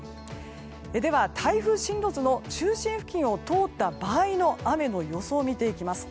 では台風進路図の中心付近を通った場合の雨の予想を見ていきます。